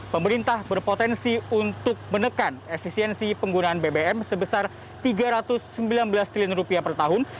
pemerintah berpotensi untuk menekan efisiensi penggunaan bbm sebesar rp tiga ratus sembilan belas triliun rupiah per tahun